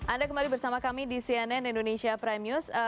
anda kembali bersama kami di cnn indonesia prime news